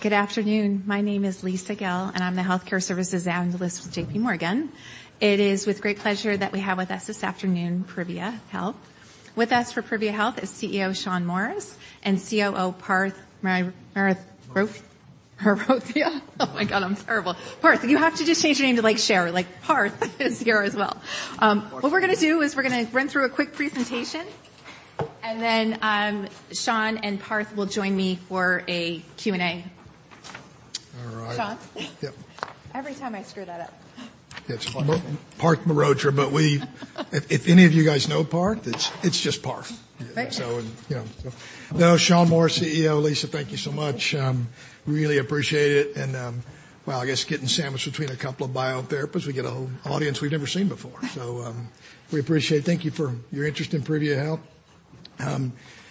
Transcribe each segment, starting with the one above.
Good afternoon. My name is Lisa Gill, and I'm the Healthcare Services Analyst with JPMorgan. It is with great pleasure that we have with us this afternoon Privia Health. With us from Privia Health is CEO Shawn Morris and COO Parth Mehrotra. Mehrotra. Mehrotra. Oh, my God, I'm terrible. Parth, you have to just change your name to, like, Cher. Like, Parth is here as well. What we're gonna do is we're gonna run through a quick presentation, and then, Shawn and Parth will join me for a Q&A. All right. Sean. Yep. Every time I screw that up. It's Parth Mehrotra. If any of you guys know Parth, it's just Parth. Great. You know. No, Shawn Morris, CEO. Lisa, thank you so much. Really appreciate it. Well, I guess getting sandwiched between a couple of biotechs, we get a whole audience we've never seen before. We appreciate it. Thank you for your interest in Privia Health.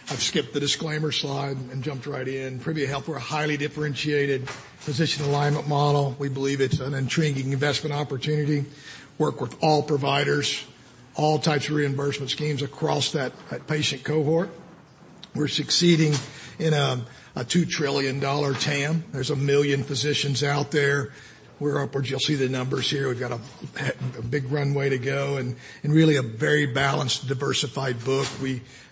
I've skipped the disclaimer slide and jumped right in. Privia Health, we're a highly differentiated physician alignment model. We believe it's an intriguing investment opportunity. Work with all providers, all types of reimbursement schemes across that patient cohort. We're succeeding in a $2 trillion TAM. There's 1 million physicians out there. You'll see the numbers here. We've got a big runway to go and really a very balanced, diversified book.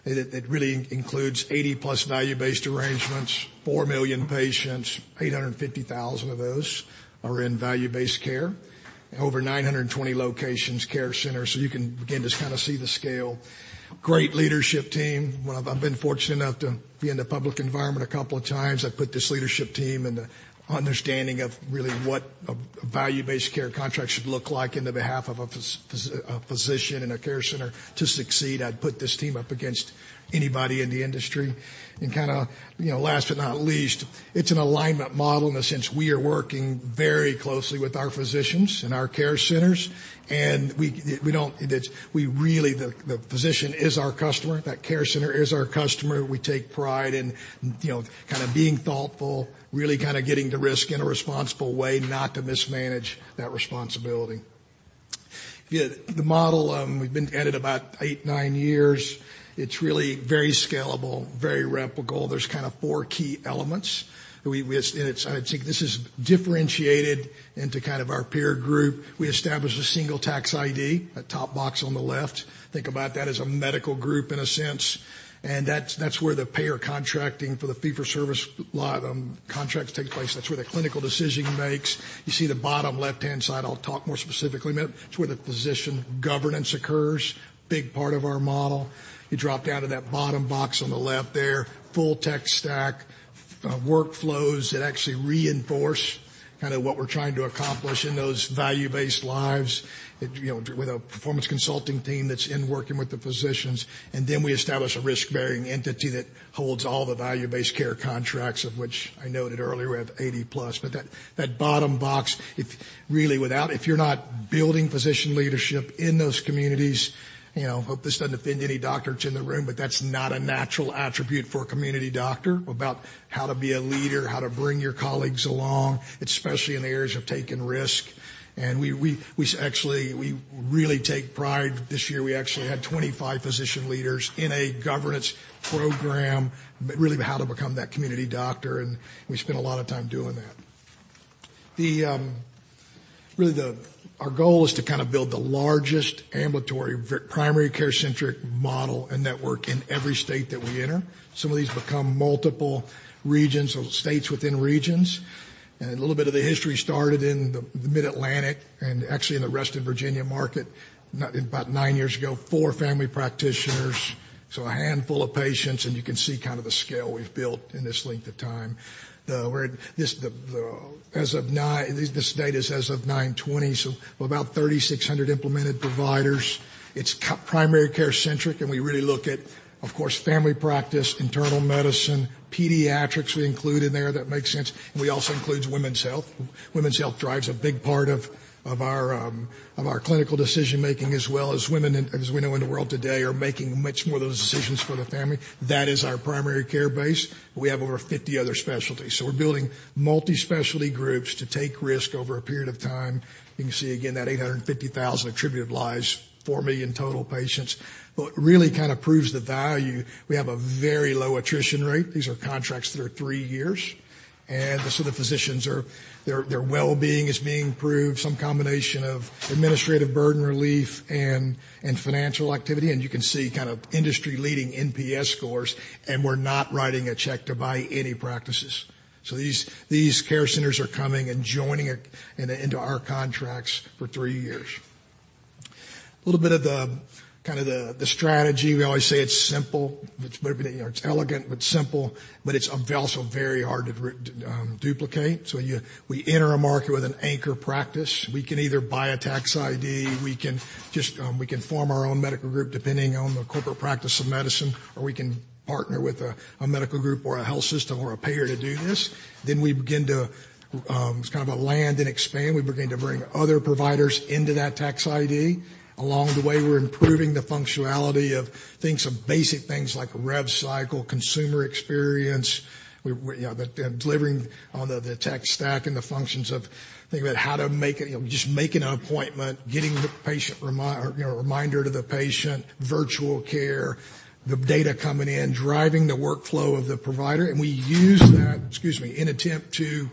It really includes 80-plus value-based arrangements, 4 million patients. 850,000 of those are in value-based care. Over 920 locations, care centers. You can begin to kinda see the scale. Great leadership team. Well, I've been fortunate enough to be in the public environment a couple of times. I've put this leadership team in the understanding of really what a value-based care contract should look like in the behalf of a physician in a care center to succeed. I'd put this team up against anybody in the industry. Kinda, you know, last but not least, it's an alignment model in the sense we are working very closely with our physicians and our care centers, and we don't... We really, the physician is our customer. That care center is our customer. We take pride in, you know, kinda being thoughtful, really kinda getting the risk in a responsible way not to mismanage that responsibility. The model, we've been at it about eight, nine years. It's really very scalable, very replicable. There's kind of four key elements. I think this is differentiated into kind of our peer group. We established a single tax ID, a top box on the left. Think about that as a medical group in a sense, and that's where the payer contracting for the fee-for-service lot, contracts take place. That's where the clinical decision makes. You see the bottom left-hand side. I'll talk more specifically in a minute. It's where the physician governance occurs. Big part of our model. You drop down to that bottom box on the left there. Full tech stack, workflows that actually reinforce kind of what we're trying to accomplish in those value-based lives, you know, with a performance consulting team that's in working with the physicians. Then we establish a risk-bearing entity that holds all the value-based care contracts, of which I noted earlier we have 80+. That bottom box, if you're not building physician leadership in those communities, you know, hope this doesn't offend any doctors in the room, but that's not a natural attribute for a community doctor about how to be a leader, how to bring your colleagues along, especially in the areas of taking risk. We actually, we really take pride. This year, we actually had 25 physician leaders in a governance program, really how to become that community doctor, and we spent a lot of time doing that. Really our goal is to kinda build the largest ambulatory primary care-centric model and network in every state that we enter. Some of these become multiple regions or states within regions. A little bit of the history started in the Mid-Atlantic and actually in the Western Virginia market about nine years ago. Four family practitioners, so a handful of patients, and you can see kinda the scale we've built in this length of time. This data is as of 9/20, so about 3,600 implemented providers. It's primary care-centric, and we really look at, of course, family practice, internal medicine, pediatrics we include in there. That makes sense. We also include women's health. Women's health drives a big part of our, of our clinical decision-making, as well as women in, as we know in the world today, are making much more of those decisions for the family. That is our primary care base. We have over 50 other specialties. We're building multi-specialty groups to take risk over a period of time. You can see again that 850,000 attributed lives, 4 million total patients. What really kinda proves the value, we have a very low attrition rate. These are contracts that are three years. The physicians are... Their well-being is being improved, some combination of administrative burden relief and financial activity. You can see kind of industry-leading NPS scores, and we're not writing a check to buy any practices. These care centers are coming and joining into our contracts for three years. A little bit of the, kinda the strategy. We always say it's simple. It's elegant, but simple, but it's also very hard to duplicate. We enter a market with an anchor practice. We can either buy a tax ID, we can just, we can form our own medical group depending on the corporate practice of medicine, or we can partner with a medical group or a health system or a payer to do this. We begin to kind of land and expand. We begin to bring other providers into that tax ID. Along the way, we're improving the functionality of things, of basic things like rev cycle, consumer experience. We're, you know, delivering on the tech stack and the functions of thinking about how to make a, you know, just making an appointment, getting the patient, you know, reminder to the patient, virtual care. The data coming in, driving the workflow of the provider, and we use that, excuse me, in attempt to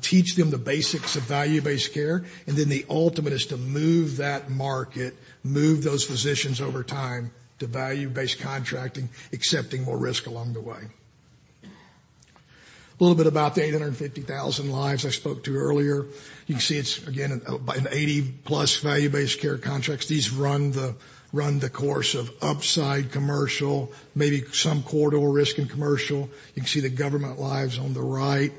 teach them the basics of value-based care, and then the ultimate is to move that market, move those physicians over time to value-based contracting, accepting more risk along the way. A little bit about the 850,000 lives I spoke to earlier. You can see it's, again, by an 80-plus value-based care contracts. These run the course of upside commercial, maybe some corridor risk and commercial. You can see the government lives on the right.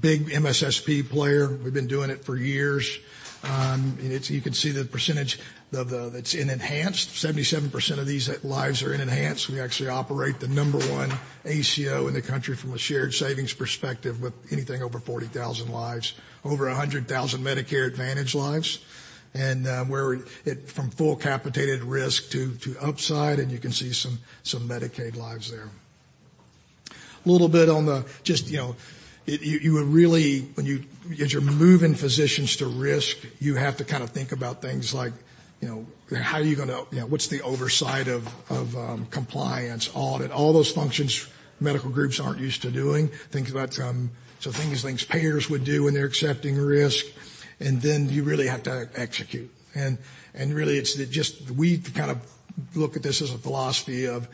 Big MSSP player. We've been doing it for years. You can see the percentage of that's in enhanced. 77% of these lives are in enhanced. We actually operate the number one ACO in the country from a shared savings perspective, with anything over 40,000 lives, over 100,000 Medicare Advantage lives. We're it from full capitated risk to upside, and you can see some Medicaid lives there. A little bit on the just, you know. You would really, as you're moving physicians to risk, you have to kind of think about things like, you know, how are you gonna. You know, what's the oversight of compliance, audit. All those functions medical groups aren't used to doing. Think about things payers would do when they're accepting risk, you really have to execute. Really, it's just we kind of look at this as a philosophy of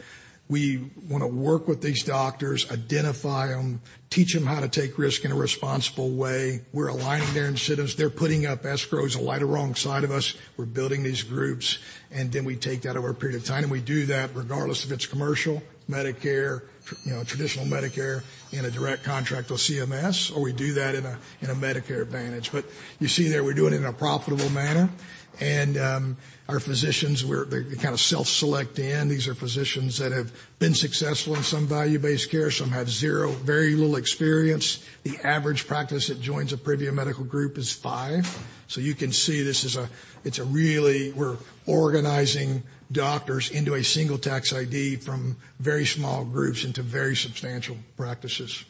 we wanna work with these doctors, identify them, teach them how to take risk in a responsible way. We're aligning their incidents. They're putting up escrows right alongside of us. We're building these groups, and then we take that over a period of time, and we do that regardless if it's commercial, Medicare, you know, traditional Medicare in a direct contract with CMS, or we do that in a Medicare Advantage. You see there, we're doing it in a profitable manner. Our physicians, they're kind of self-selecting. These are physicians that have been successful in some value-based care. Some have zero, very little experience. The average practice that joins a Privia Medical Group is five. You can see this is a really... We're organizing doctors into a single tax ID from very small groups into very substantial practices.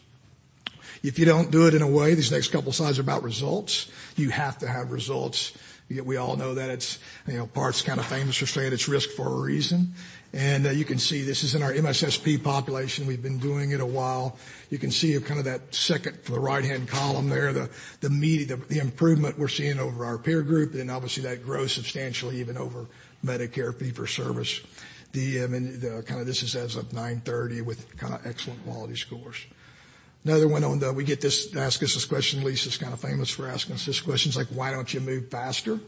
If you don't do it in a way, these next couple slides are about results. You have to have results. We all know that it's, you know, Parth's kind of famous for saying it's risk for a reason. You can see this is in our MSSP population. We've been doing it a while. You can see kind of that second from the right-hand column there, the improvement we're seeing over our peer group, and obviously, that grows substantially even over Medicare fee-for-service. This is as of 9/30 with kind of excellent quality scores. We get this. They ask us this question. Lisa's kind of famous for asking us this question. It's like, "Why don't you move faster?"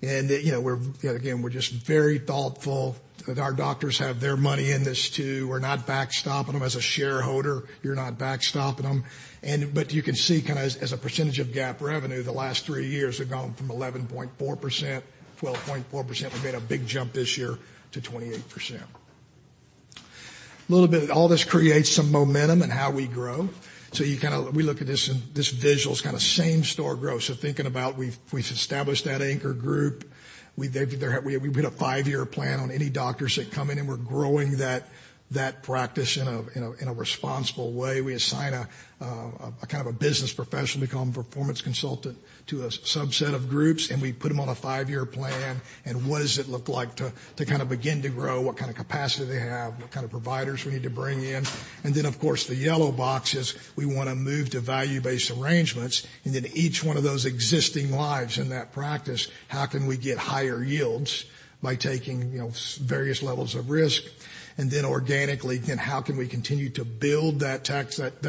You know, we're, again, we're just very thoughtful. Our doctors have their money in this too. We're not backstopping them as a shareholder. You're not backstopping them. But you can see kind of as a percentage of GAAP revenue, the last three years have gone from 11.4%, 12.4%. We made a big jump this year to 28%. A little bit, all this creates some momentum in how we grow. You kind of... We look at this, and this visual is kind of same store growth. Thinking about we've established that anchor group. We've made a five-year plan on any doctors that come in, and we're growing that practice in a responsible way. We assign a kind of a business professional. We call them a performance consultant to a subset of groups. We put them on a five-year plan. What does it look like to kind of begin to grow? What kind of capacity they have, what kind of providers we need to bring in. Of course, the yellow box is we wanna move to value-based arrangements. Each one of those existing lives in that practice, how can we get higher yields by taking, you know, various levels of risk? Organically, then how can we continue to build that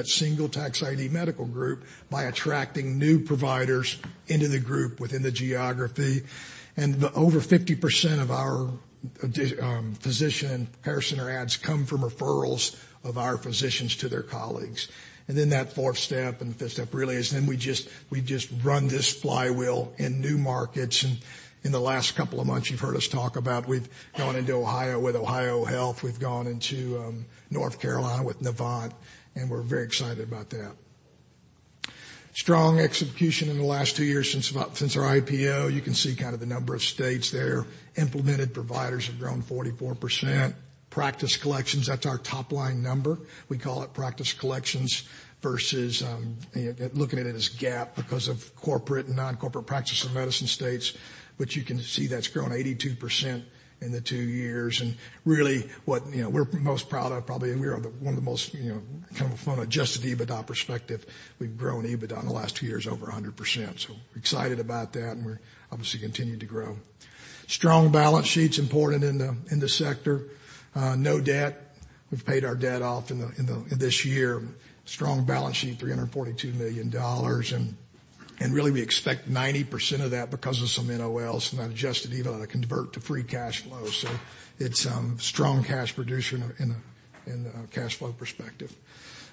single tax ID medical group by attracting new providers into the group within the geography? Over 50% of our physician and clinician adds come from referrals of our physicians to their colleagues. That fourth step and the fifth step really is then we run this flywheel in new markets. In the last couple of months, you've heard us talk about we've gone into Ohio with OhioHealth. We've gone into North Carolina with Novant, and we're very excited about that. Strong execution in the last two years since our IPO. You can see kind of the number of states there. Implemented providers have grown 44%. Practice collections, that's our top-line number. We call it practice collections versus, you know, looking at it as GAAP because of corporate and non-corporate practice of medicine states. You can see that's grown 82% in the two years. Really, what, you know, we're most proud of probably, and we are one of the most, you know, kind of from an adjusted EBITDA perspective, we've grown EBITDA in the last two years over 100%. We're excited about that, and we're obviously continuing to grow. Strong balance sheet's important in the, in this sector. No debt. We've paid our debt off in the this year. Strong balance sheet, $342 million. Really we expect 90% of that because of some NOLs, some of that adjusted EBITDA convert to free cash flow. It's strong cash producer in a, in a, in a cash flow perspective.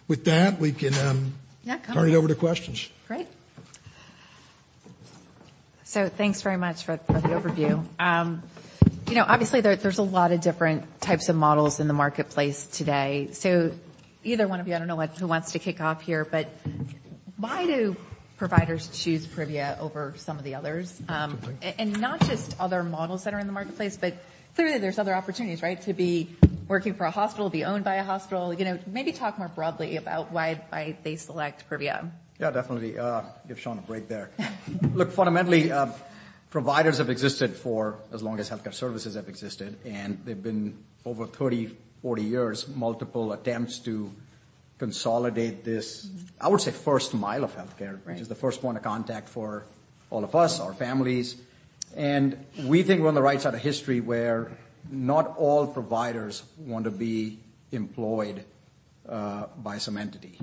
With that, we can- Yeah. Coming. Turn it over to questions. Great. Thanks very much for the overview. you know, obviously, there's a lot of different types of models in the marketplace today. Either one of you, I don't know who wants to kick off here, but why do providers choose Privia over some of the others? and not just other models that are in the marketplace, but clearly, there's other opportunities, right? To be working for a hospital, be owned by a hospital. You know, maybe talk more broadly about why they select Privia. Yeah, definitely. Give Shawn a break there. Look, fundamentally, providers have existed for as long as healthcare services have existed. There've been over 30, 40 years, multiple attempts to Consolidate this, I would say, first mile of healthcare- Right. Which is the first point of contact for all of us, our families. We think we're on the right side of history, where not all providers want to be employed by some entity.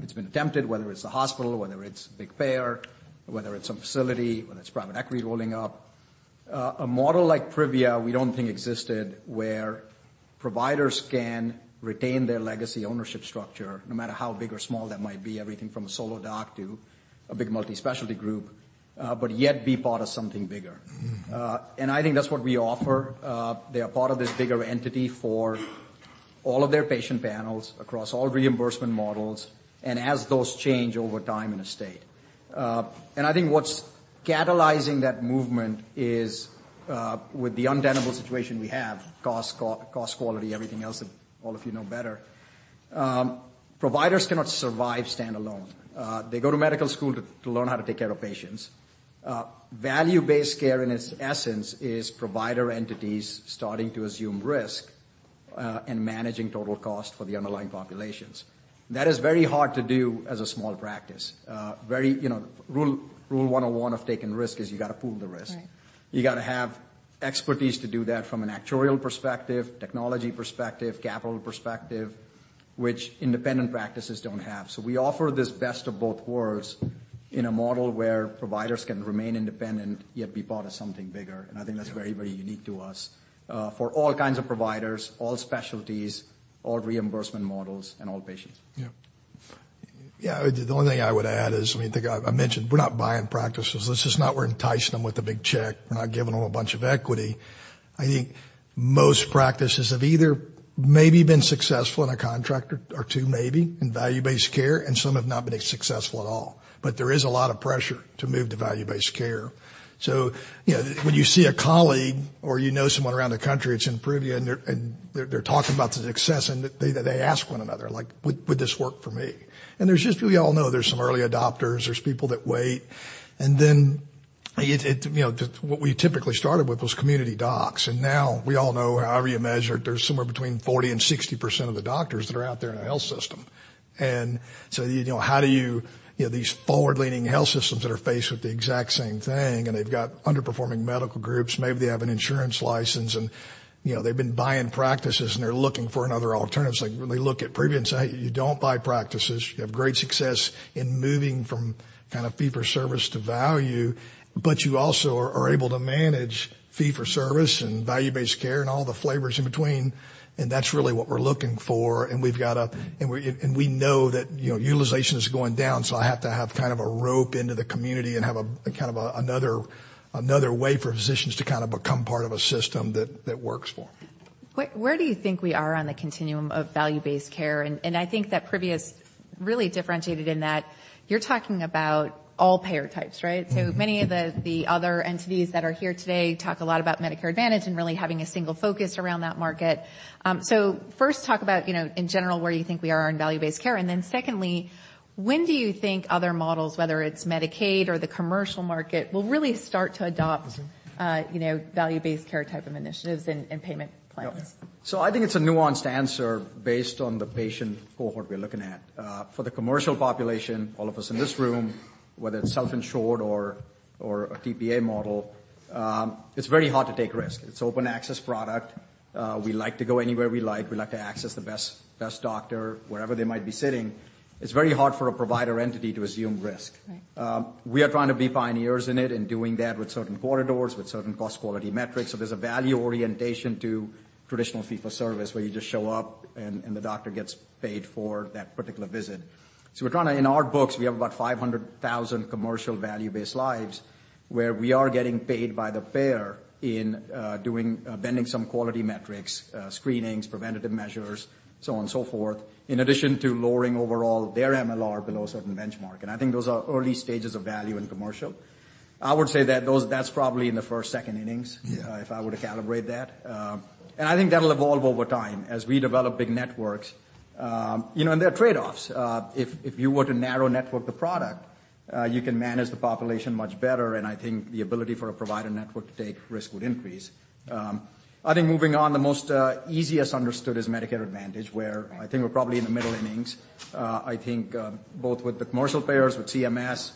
It's been attempted, whether it's a hospital, whether it's big payer, whether it's a facility, whether it's private equity rolling up. A model like Privia, we don't think existed, where providers can retain their legacy ownership structure, no matter how big or small that might be, everything from a solo doc to a big multi-specialty group, but yet be part of something bigger. Mm-hmm. I think that's what we offer. They are part of this bigger entity for all of their patient panels across all reimbursement models and as those change over time in a state. I think what's catalyzing that movement is, with the undeniable situation we have, cost, co-cost quality, everything else that all of you know better, providers cannot survive standalone. They go to medical school to learn how to take care of patients. Value-based care, in its essence, is provider entities starting to assume risk, and managing total cost for the underlying populations. That is very hard to do as a small practice. Very... You know, Rule 101 of taking risk is you gotta pool the risk. Right. You gotta have expertise to do that from an actuarial perspective, technology perspective, capital perspective, which independent practices don't have. We offer this best of both worlds in a model where providers can remain independent, yet be part of something bigger. Yeah. I think that's very, very unique to us, for all kinds of providers, all specialties, all reimbursement models and all patients. Yeah. Yeah. The only thing I would add is, I mean, I mentioned we're not buying practices. This is not we're enticing them with a big check. We're not giving them a bunch of equity. I think most practices have either maybe been successful in a contract or two, maybe, in value-based care, and some have not been as successful at all. There is a lot of pressure to move to value-based care. You know, when you see a colleague or you know someone around the country that's in Privia, and they're talking about the success, and they ask one another, like, "Would this work for me?" There's just, we all know there's some early adopters. There's people that wait. Then it... You know, what we typically started with was community docs. Now we all know, however you measure it, there's somewhere between 40% and 60% of the doctors that are out there in a health system. You know, how do you know, these forward-leaning health systems that are faced with the exact same thing, and they've got underperforming medical groups. Maybe they have an insurance license, and, you know, they've been buying practices, and they're looking for another alternative. When they look at Privia and say, "You don't buy practices. You have great success in moving from kind of fee-for-service to value, but you also are able to manage fee-for-service and value-based care and all the flavors in between, and that's really what we're looking for. We've got a... We, and we know that, you know, utilization is going down, so I have to have kind of a rope into the community and have a kind of a another way for physicians to kind of become part of a system that works for them. Where do you think we are on the continuum of value-based care? I think that Privia's really differentiated in that you're talking about all payer types, right? Mm-hmm. Many of the other entities that are here today talk a lot about Medicare Advantage and really having a single focus around that market. First talk about, you know, in general, where you think we are in value-based care. Secondly, when do you think other models, whether it's Medicaid or the commercial market, will really start to adopt. Mm-hmm. you know, value-based care type of initiatives and payment plans? Yeah. I think it's a nuanced answer based on the patient cohort we're looking at. For the commercial population, all of us in this room, whether it's self-insured or a PPA model, it's very hard to take risks. It's open access product. We like to go anywhere we like. We like to access the best doctor wherever they might be sitting. It's very hard for a provider entity to assume risk. Right. We are trying to be pioneers in it, in doing that with certain corridors, with certain cost quality metrics. There's a value orientation to traditional fee-for-service, where you just show up and the doctor gets paid for that particular visit. In our books, we have about 500,000 commercial value-based lives where we are getting paid by the payer in doing bending some quality metrics, screenings, preventative measures, so on and so forth, in addition to lowering overall their MLR below a certain benchmark. I think those are early stages of value in commercial. I would say that that's probably in the first second innings. Yeah. If I were to calibrate that. I think that'll evolve over time as we develop big networks. You know, there are trade-offs. If you were to narrow network the product, you can manage the population much better, and I think the ability for a provider network to take risk would increase. I think moving on, the most easiest understood is Medicare Advantage, where- Right. I think we're probably in the middle innings. I think, both with the commercial payers, with CMS,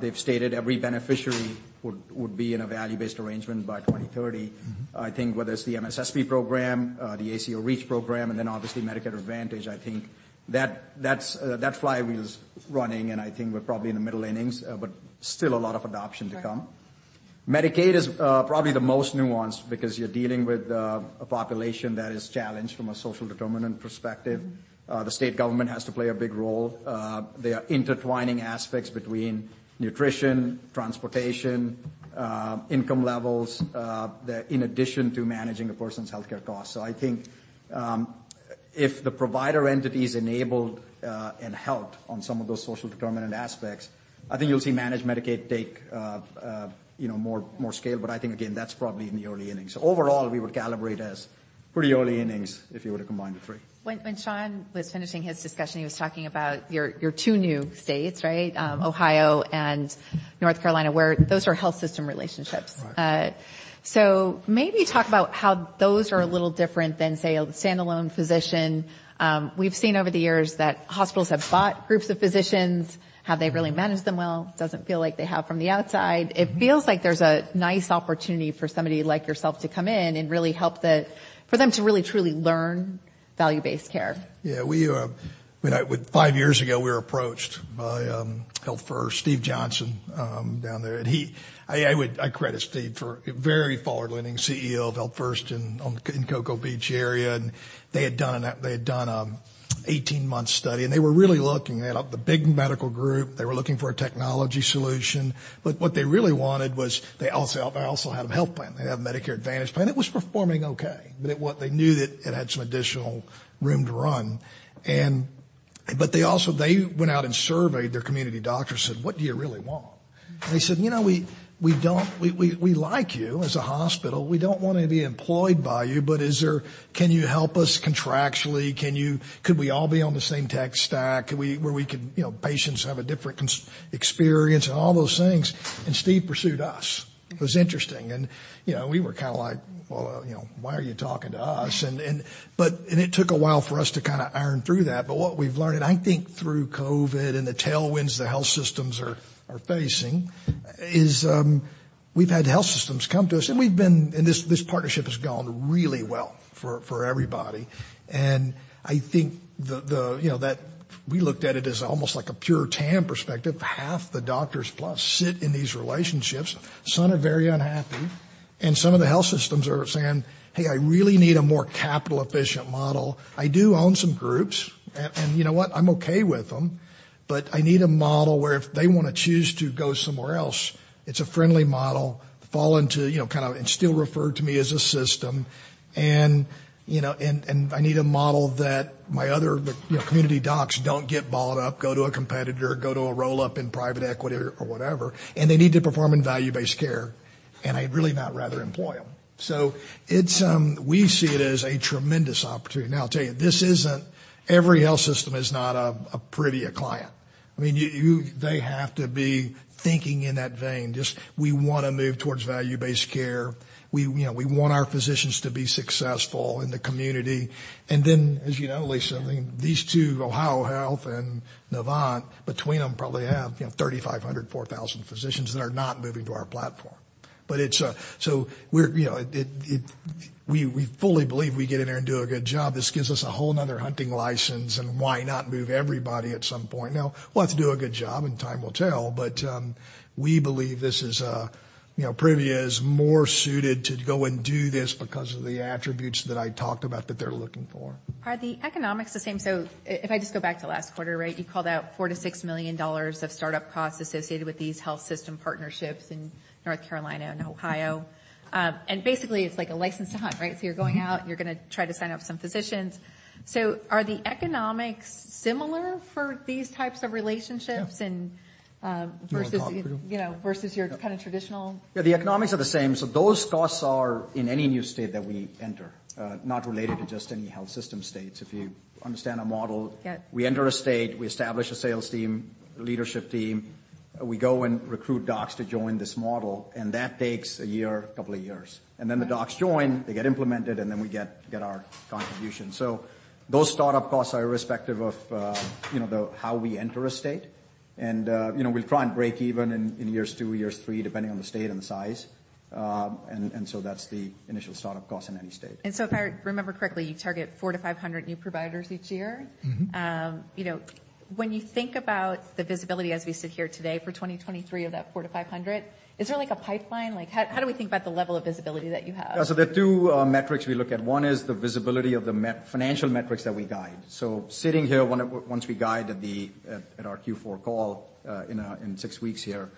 they've stated every beneficiary would be in a value-based arrangement by 2030. Mm-hmm. I think whether it's the MSSP program, the ACO REACH program, and then obviously Medicare Advantage, I think that's, that flywheel's running. I think we're probably in the middle innings, but still a lot of adoption to come. Right. Medicaid is, probably the most nuanced because you're dealing with, a population that is challenged from a social determinant perspective. Mm-hmm. The state government has to play a big role. There are intertwining aspects between nutrition, transportation, income levels, in addition to managing a person's healthcare costs. I think, if the provider entity's enabled, and helped on some of those social determinant aspects, I think you'll see managed Medicaid take, you know, more scale. I think again, that's probably in the early innings. Overall, we would calibrate as pretty early innings if you were to combine the three. When Shawn Morris was finishing his discussion, he was talking about your two new states, right? Ohio and North Carolina, where those are health system relationships. Right. Maybe talk about how those are a little different than, say, a standalone physician. We've seen over the years that hospitals have bought groups of physicians. Have they really managed them well? Doesn't feel like they have from the outside. It feels like there's a nice opportunity for somebody like yourself to come in and really help for them to really, truly learn value-based care. Yeah. We, I mean, five years ago, we were approached by Health First, Steve Johnson down there. I credit Steve for a very forward-leaning CEO of Health First in the Cocoa Beach area. They had done a 18-month study, and they were really looking. They had a big medical group. They were looking for a technology solution. What they really wanted was they also had a health plan. They have Medicare Advantage plan. It was performing okay, but it was they knew that it had some additional room to run. They also went out and surveyed their community doctors, said, "What do you really want?" They said, "You know, we like you as a hospital. We don't wanna be employed by you, but can you help us contractually? Could we all be on the same tech stack? Where we could, you know, patients have a different experience and all those things. Steve pursued us. It was interesting. You know, we were kinda like, "Well, you know, why are you talking to us?" It took a while for us to kinda iron through that. What we've learned, and I think through COVID and the tailwinds the health systems are facing, is, we've had health systems come to us, and this partnership has gone really well for everybody. I think the, you know, that we looked at it as almost like a pure TAM perspective. Half the doctors plus sit in these relationships. Some are very unhappy, and some of the health systems are saying, "Hey, I really need a more capital-efficient model. I do own some groups, and you know what? I'm okay with them, but I need a model where if they wanna choose to go somewhere else, it's a friendly model, fall into, you know, kind of, and still refer to me as a system. You know, and I need a model that my other, the, you know, community docs don't get balled up, go to a competitor, go to a roll-up in private equity or whatever, and they need to perform in value-based care, and I'd really not rather employ them." It's, we see it as a tremendous opportunity. I'll tell you, every health system is not a Privia client. I mean, they have to be thinking in that vein, just we wanna move towards value-based care. We, you know, we want our physicians to be successful in the community. As you know, Lisa, I mean, these two, OhioHealth and Novant, between them probably have, you know, 3,500, 4,000 physicians that are not moving to our platform. We're, you know, we fully believe we get in there and do a good job. This gives us a whole another hunting license, and why not move everybody at some point? Now we'll have to do a good job, and time will tell. We believe this is, you know, Privia is more suited to go and do this because of the attributes that I talked about that they're looking for. Are the economics the same? If I just go back to last quarter, right? You called out $4 million-$6 million of startup costs associated with these health system partnerships in North Carolina and Ohio. And basically, it's like a license to hunt, right? You're going out, you're gonna try to sign up some physicians. Are the economics similar for these types of relationships and versus- Do you wanna talk, Rahul? You know, versus your kinda traditional... Yeah, the economics are the same. Those costs are in any new state that we enter, not related to just any health system states. If you understand our model. Yeah ...we enter a state, we establish a sales team, leadership team, we go and recruit docs to join this model. That takes a year, a couple of years. Right. The docs join, they get implemented, and then we get our contribution. Those startup costs are irrespective of, you know, how we enter a state. You know, we'll try and break even in years two, years three, depending on the state and the size. That's the initial startup cost in any state. If I remember correctly, you target 400-500 new providers each year. Mm-hmm. You know, when you think about the visibility as we sit here today for 2023 of that 400-500, is there like a pipeline? like how do we think about the level of visibility that you have? There are two metrics we look at. One is the visibility of the financial metrics that we guide. Sitting here, once we guide at our Q4 call, in six weeks here,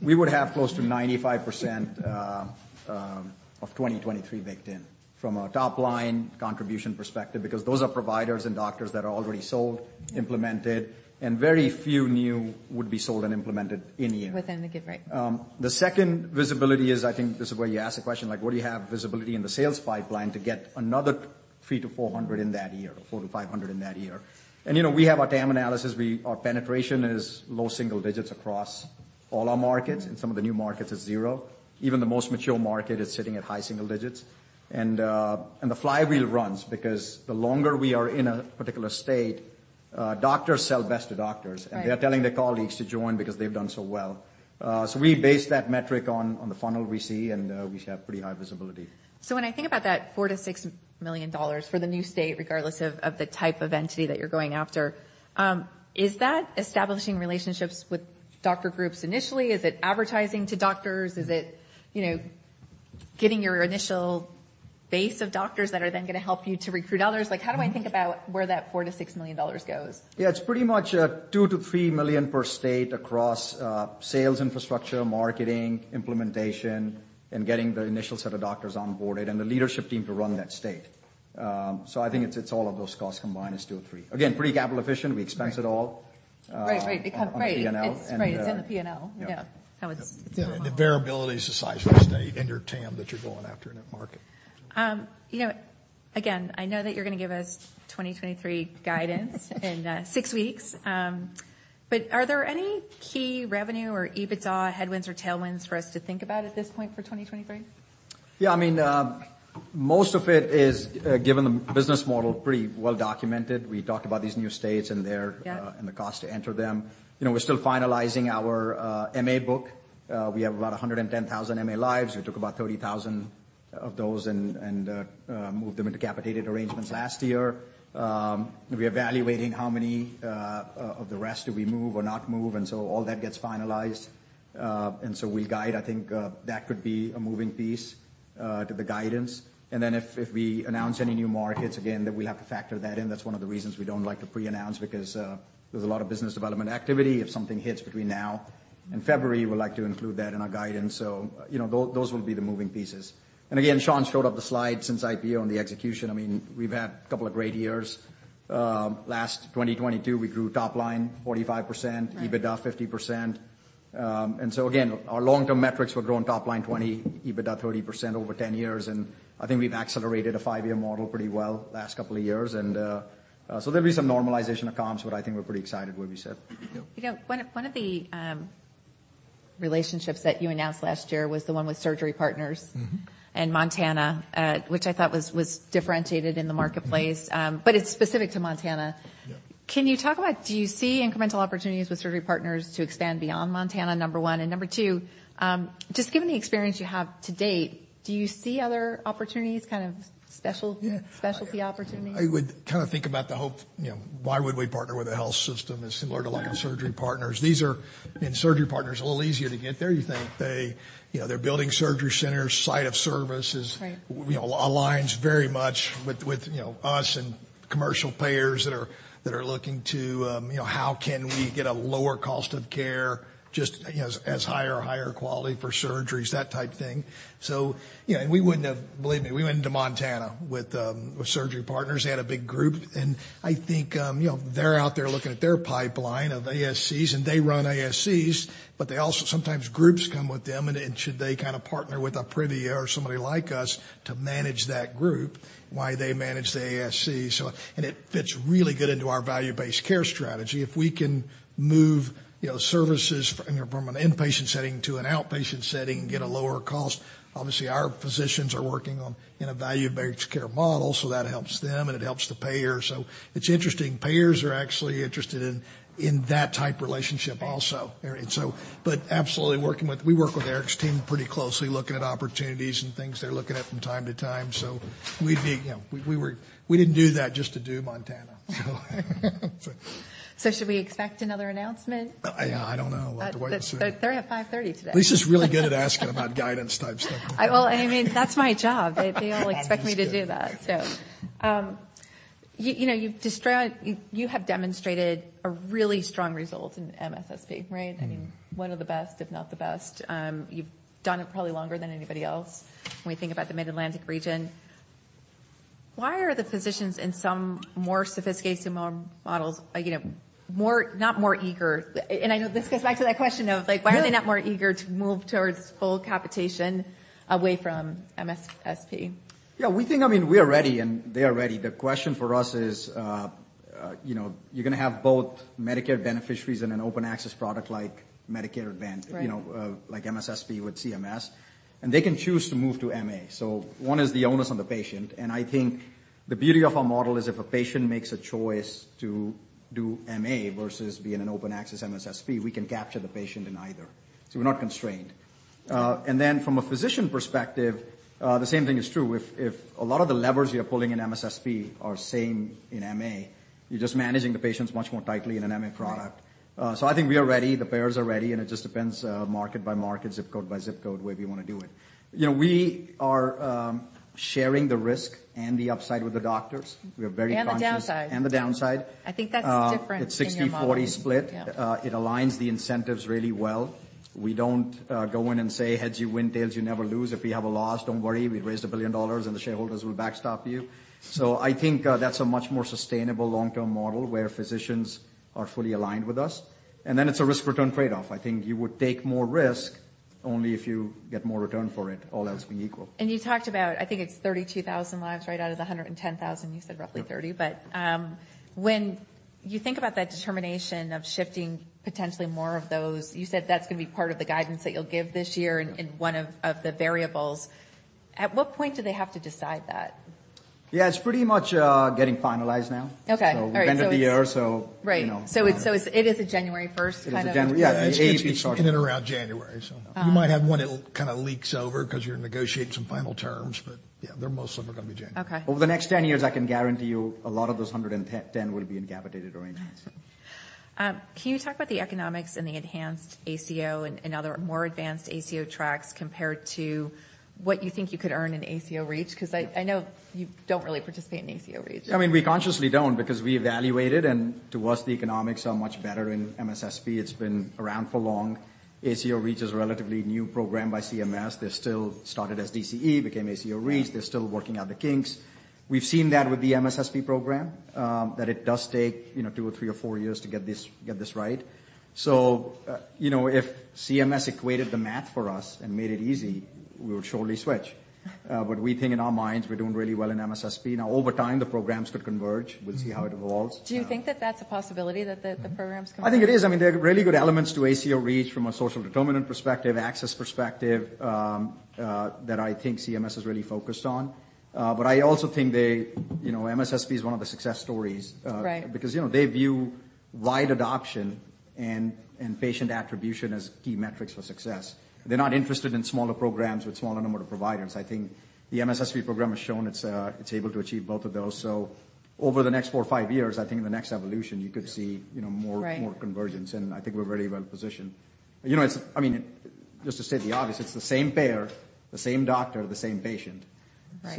we would have close to 95% of 2023 baked in from a top-line contribution perspective because those are providers and doctors that are already sold, implemented, and very few new would be sold and implemented in year. Within the give, right. The second visibility is, I think this is where you asked the question, like what do you have visibility in the sales pipeline to get another 300-400 in that year or 400-500 in that year? You know, we have our TAM analysis. Our penetration is low single digits across all our markets. In some of the new markets, it's zero. Even the most mature market is sitting at high single digits. The flywheel runs because the longer we are in a particular state, doctors sell best to doctors. Right. They are telling their colleagues to join because they've done so well. We base that metric on the funnel we see. We have pretty high visibility. When I think about that $4 million-$6 million for the new state, regardless of the type of entity that you're going after, is that establishing relationships with doctor groups initially? Is it advertising to doctors? Is it, you know, getting your initial base of doctors that are then gonna help you to recruit others? Like how do I think about where that $4 million-$6 million goes? Yeah. It's pretty much $2 million-$3 million per state across sales infrastructure, marketing, implementation, and getting the initial set of doctors onboarded and the leadership team to run that state. I think it's all of those costs combined is $2 million or $3 million. Again, pretty capital efficient. Right. We expense it all. Right, right. Because. -on the P&L, and. It's right. It's in the P&L. Yeah. Yeah. How it's. Yeah, the variability is the size of the state and your TAM that you're going after in that market. You know, again, I know that you're gonna give us 2023 guidance in six weeks. Are there any key revenue or EBITDA headwinds or tailwinds for us to think about at this point for 2023? Yeah. I mean, most of it is, given the business model, pretty well documented. We talked about these new states. Yeah... and the cost to enter them. You know, we're still finalizing our MA book. We have about 110,000 MA lives. We took about 30,000 of those and moved them into capitated arrangements last year. We're evaluating how many of the rest do we move or not move, all that gets finalized. We guide, I think, that could be a moving piece to the guidance. If we announce any new markets, again, we'll have to factor that in. That's one of the reasons we don't like to preannounce, because there's a lot of business development activity. If something hits between now and February, we like to include that in our guidance. You know, those will be the moving pieces. Again, Shawn showed up the slide since IPO on the execution. I mean, we've had a couple of great years. Last 2022, we grew top line 45%. Right. EBITDA 50%. Again, our long-term metrics were growing top line 20%, EBITDA 30% over 10 years, and I think we've accelerated a five-year model pretty well the last couple of years. There'll be some normalization of comps, but I think we're pretty excited where we sit. Yeah. You know, one of the relationships that you announced last year was the one with Surgery Partners. Mm-hmm. in Montana, which I thought was differentiated in the marketplace. Mm-hmm. It's specific to Montana. Yeah. Can you talk about, do you see incremental opportunities with Surgery Partners to expand beyond Montana, number one? Number two, just given the experience you have to date, do you see other opportunities, kind of special. Yeah. specialty opportunities? I would kind of think about the whole, you know, why would we partner with a health system is similar to working with Surgery Partners. Surgery Partners, a little easier to get there. You think they, you know, they're building surgery centers, site of services. Right. You know, aligns very much with, you know, us and commercial payers that are, that are looking to, you know, how can we get a lower cost of care just as high or higher quality for surgeries, that type thing. You know, we wouldn't have... Believe me, we went into Montana with Surgery Partners. They had a big group. I think, you know, they're out there looking at their pipeline of ASCs, and they run ASCs, but they also sometimes groups come with them, should they kind of partner with a Privia or somebody like us to manage that group while they manage the ASC. It fits really good into our value-based care strategy. If we can move, you know, services from an inpatient setting to an outpatient setting and get a lower cost, obviously, our physicians are working on in a value-based care model. That helps them, and it helps the payer. It's interesting. Payers are actually interested in that type relationship also. Right. We work with Eric's team pretty closely, looking at opportunities and things they're looking at from time to time. We'd be, you know, we were. We didn't do that just to do Montana. Should we expect another announcement? I don't know. We'll have to wait and see. They're at 5:30 P.M. today. Lisa's really good at asking about guidance type stuff. Well, I mean, that's my job. They all expect me to do that. That's good. You know, You have demonstrated a really strong result in MSSP, right? Mm-hmm. I mean, one of the best, if not the best. You've done it probably longer than anybody else when we think about the Mid-Atlantic region. Why are the physicians in some more sophisticated models, you know, more, not more eager? I know this gets back to that question of like... Yeah. -why are they not more eager to move towards full capitation away from MSSP? Yeah, we think, I mean, we are ready, and they are ready. The question for us is, you know, you're gonna have both Medicare beneficiaries and an open access product like Medicare Advantage. Right. you know, like MSSP with CMS, they can choose to move to MA. One is the onus on the patient, and I think the beauty of our model is if a patient makes a choice to do MA versus be in an open access MSSP, we can capture the patient in either, so we're not constrained. Then from a physician perspective, the same thing is true. If a lot of the levers you're pulling in MSSP are same in MA, you're just managing the patients much more tightly in an MA product. Right. I think we are ready, the payers are ready, and it just depends, market by market, zip code by zip code, way we wanna do it. You know, we are sharing the risk and the upside with the doctors. We are very conscious. The downside. The downside. I think that's different in your model. It's 60/40 split. Yeah. It aligns the incentives really well. We don't go in and say, "Heads you win, tails you never lose. If we have a loss, don't worry, we've raised $1 billion, and the shareholders will backstop you." I think that's a much more sustainable long-term model where physicians are fully aligned with us, and then it's a risk-return trade-off. I think you would take more risk only if you get more return for it, all else being equal. You talked about, I think it's 32,000 lives right out of the 110,000. You said roughly 30. Yeah. When you think about that determination of shifting potentially more of those, you said that's gonna be part of the guidance that you'll give this year? Mm-hmm. One of the variables. At what point do they have to decide that? Yeah, it's pretty much getting finalized now. Okay. All right. We've ended the year. Right... you know. It's eighth of January first. Eighth of January. Yeah. It's eight to be starting. It's in and around January, so. Uh. You might have one that kind of leaks over 'cause you're negotiating some final terms, but yeah, they're most of them are gonna be January. Okay. Over the next 10 years, I can guarantee you a lot of those 110 will be in capitated arrangements. Can you talk about the economics and the enhanced ACO and other more advanced ACO tracks compared to what you think you could earn in ACO REACH? I know you don't really participate in ACO REACH. I mean, we consciously don't because we evaluated and to us the economics are much better in MSSP. It's been around for long. ACO REACH is a relatively new program by CMS. They're still started as DCE, became ACO REACH. Right. They're still working out the kinks. We've seen that with the MSSP program, that it does take, you know, two or three or four years to get this, get this right. You know, if CMS equated the math for us and made it easy, we would surely switch. We think in our minds, we're doing really well in MSSP. Now, over time, the programs could converge. Mm-hmm. We'll see how it evolves. Do you think that that's a possibility that the programs converge? I think it is. I mean, there are really good elements to ACO REACH from a social determinant perspective, access perspective, that I think CMS is really focused on. I also think they, you know, MSSP is one of the success stories. Right because, you know, they view wide adoption and patient attribution as key metrics for success. They're not interested in smaller programs with smaller number of providers. I think the MSSP program has shown it's able to achieve both of those. Over the next four or five years, I think in the next evolution, you could see, you know- Right ...more convergence, and I think we're very well positioned. You know, I mean, just to state the obvious, it's the same payer, the same doctor, the same patient. Right.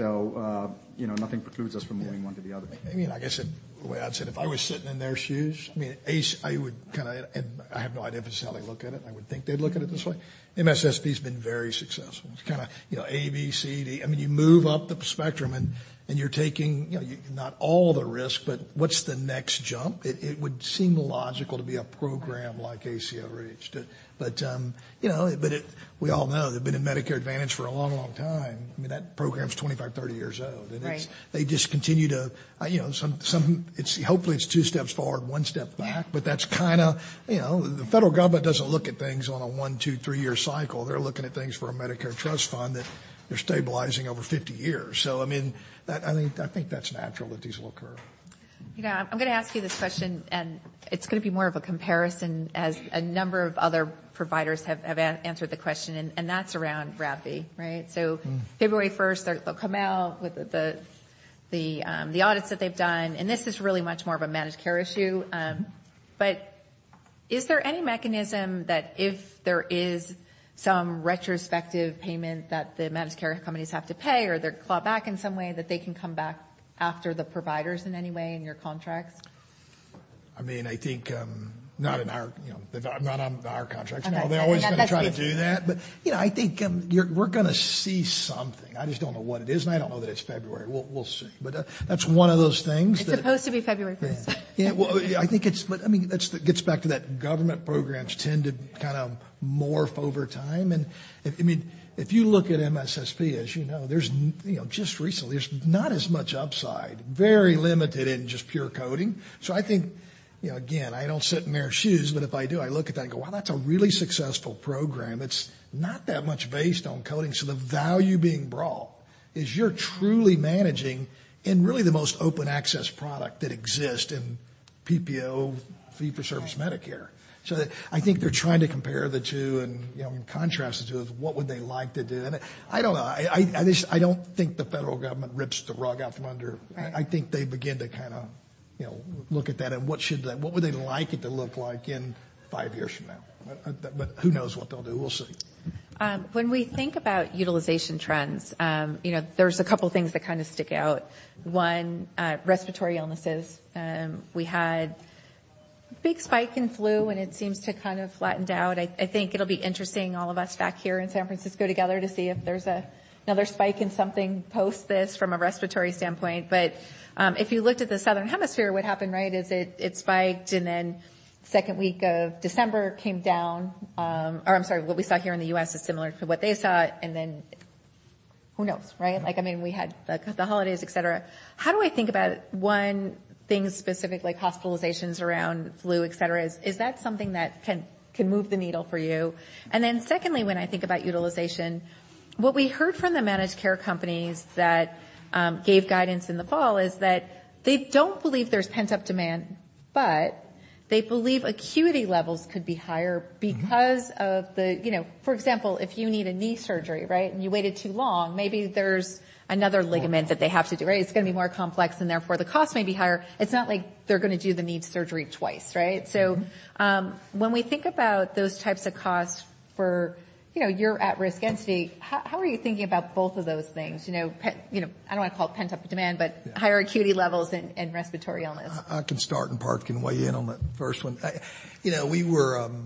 You know, nothing precludes us from moving one to the other. I mean, like I said, the way I'd said, if I was sitting in their shoes, I mean, A, I would kinda... I have no idea this is how they look at it. I would think they'd look at it this way. MSSP has been very successful. It's kinda, you know, A, B, C, D. I mean, you move up the spectrum and you're taking, you know, not all the risk, but what's the next jump? It would seem logical to be a program like ACO REACH to... You know, we all know they've been in Medicare Advantage for a long, long time. I mean, that program is 25, 30 years old. Right. They just continue to, you know, hopefully, it's two steps forward, one step back. Yeah. That's kinda, you know. The federal government doesn't look at things on a one, two, three-year cycle. They're looking at things for a Medicare trust fund that they're stabilizing over 50 years. I mean, I think that's natural that these will occur. You know, I'm gonna ask you this question, and it's gonna be more of a comparison as a number of other providers have answered the question, and that's around RAPS, right? Mm-hmm. February 1st, they'll come out with the audits that they've done, and this is really much more of a managed care issue. Is there any mechanism that if there is some retrospective payment that the managed care companies have to pay or they're clawed back in some way, that they can come back after the providers in any way in your contracts? I mean, I think, not in our, you know, not on our contracts. Okay. That's. No. They're always gonna try to do that. You know, I think, we're gonna see something. I just don't know what it is, and I don't know that it's February. We'll see. That's one of those things that- It's supposed to be February first. Yeah. Well, I think it's. I mean, that gets back to that government programs tend to kind of morph over time. If, I mean, if you look at MSSP, as you know, there's you know, just recently, there's not as much upside. Very limited in just pure coding. I think, you know, again, I don't sit in their shoes, but if I do, I look at that and go, "Wow, that's a really successful program." It's not that much based on coding, so the value being brought is you're truly managing in really the most open access product that exists in PPO fee-for-service Medicare. Right. I think they're trying to compare the two and, you know, contrast the two with what would they like to do. I don't know. I don't think the federal government rips the rug out from under. Right. I think they begin to kinda, you know, look at that and what would they like it to look like in five years from now. Who knows what they'll do? We'll see. When we think about utilization trends, you know, there's a couple things that kinda stick out. One, respiratory illnesses. We had a big spike in flu, it seems to kind of flattened out. I think it'll be interesting, all of us back here in San Francisco together, to see if there's another spike in something post this from a respiratory standpoint. If you looked at the Southern Hemisphere, what happened, right, it spiked and then second week of December came down. I'm sorry, what we saw here in the US is similar to what they saw, and then who knows, right? Mm-hmm. Like, I mean, we had the holidays, et cetera. How do I think about, one, things specific, like hospitalizations around flu, et cetera? Is that something that can move the needle for you? Then secondly, when I think about utilization, what we heard from the managed care companies that gave guidance in the fall is that they don't believe there's pent-up demand, but they believe acuity levels could be higher. Mm-hmm ...because of the, you know... For example, if you need a knee surgery, right, and you waited too long, maybe there's another ligament that they have to do, right? It's gonna be more complex, and therefore the cost may be higher. It's not like they're gonna do the knee surgery twice, right? Mm-hmm. When we think about those types of costs for, you know, your at-risk entity, how are you thinking about both of those things? You know, I don't wanna call it pent-up demand. Yeah higher acuity levels and respiratory illness. I can start, Parth can weigh in on that first one. I, you know, I mean,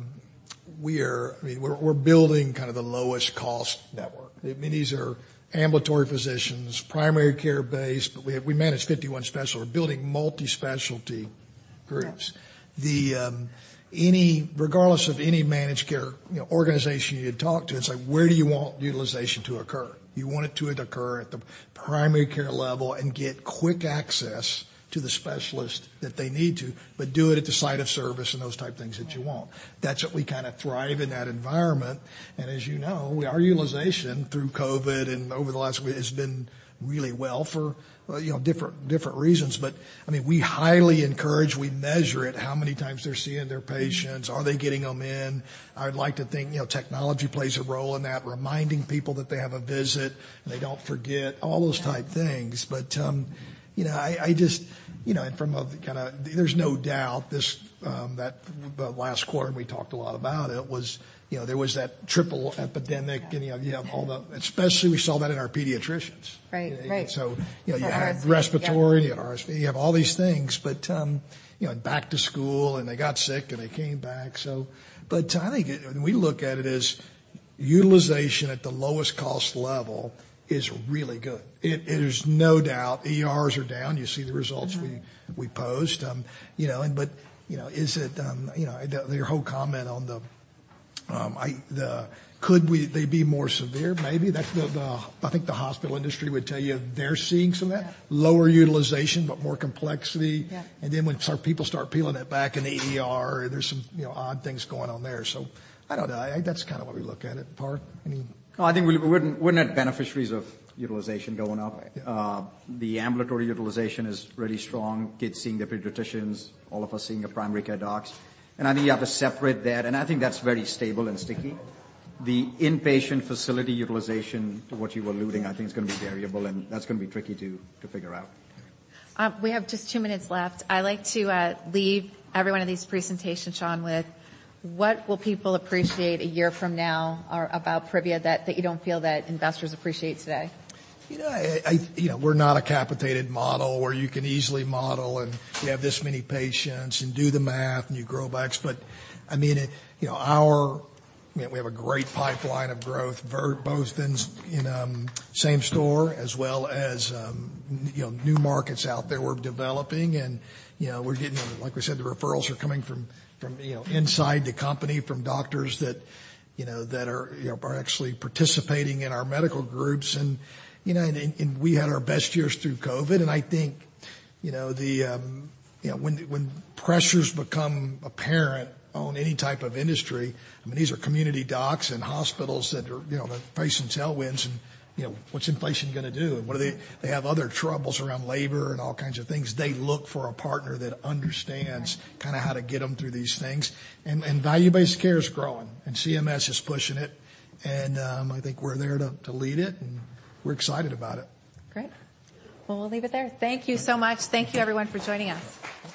we're building kind of the lowest cost network. I mean, these are ambulatory physicians, primary care-based, we manage 51 specialists. We're building multi-specialty groups. Yeah. The regardless of any managed care, you know, organization you talk to, it's like, where do you want utilization to occur? You want it to occur at the primary care level and get quick access to the specialist that they need to, but do it at the site of service and those type things that you want. Mm-hmm. That's what we kinda thrive in that environment. As you know, our utilization through COVID and over the last week has been really well for, you know, different reasons. I mean, we highly encourage, we measure it, how many times they're seeing their patients. Mm-hmm. Are they getting them in? I'd like to think, you know, technology plays a role in that, reminding people that they have a visit, and they don't forget, all those type things. You know, I just. You know, there's no doubt this, that the last quarter, and we talked a lot about it, was, you know, there was that triple epidemic. Yeah. you know, you have all the. Especially we saw that in our pediatricians. Right. Right. you know, you have respiratory- You have RSV, yeah. ...you have RSV, you have all these things. You know, back to school, and they got sick, and they came back. I think when we look at it as utilization at the lowest cost level is really good. It is no doubt, ERs are down. You see the results. Mm-hmm. -we post. you know, and, but, you know, is it, you know, the, your whole comment on the, I, could they be more severe? Maybe. That's the I think the hospital industry would tell you they're seeing some of that. Yeah. Lower utilization, but more complexity. Yeah. When people start peeling it back in the ER, there's some, you know, odd things going on there. I don't know. I, that's kinda what we look at it. Parth, any? No, I think we're net beneficiaries of utilization going up. The ambulatory utilization is really strong. Kids seeing their pediatricians, all of us seeing the primary care docs. I think you have to separate that, and I think that's very stable and sticky. The inpatient facility utilization to what you were alluding, I think is gonna be variable, and that's gonna be tricky to figure out. We have just two minutes left. I like to leave every one of these presentations, Shawn, with what will people appreciate a year from now or about Privia that you don't feel that investors appreciate today? You know, I... You know, we're not a capitated model where you can easily model and we have this many patients and do the math and you grow backs. I mean, it, you know, man, we have a great pipeline of growth, both in same store as well as, you know, new markets out there we're developing and, you know. Like we said, the referrals are coming from, you know, inside the company from doctors that, you know, that are, you know, are actually participating in our medical groups. You know, we had our best years through COVID, and I think, you know, the, you know, when pressures become apparent on any type of industry, I mean, these are community docs and hospitals that are, you know, they're facing tailwinds and, you know, what's inflation gonna do? They have other troubles around labor and all kinds of things. They look for a partner that understands- Right. kinda how to get them through these things. value-based care is growing, and CMS is pushing it. I think we're there to lead it, and we're excited about it. Great. Well, we'll leave it there. Thank you so much. Thank you, everyone, for joining us.